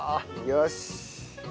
よし！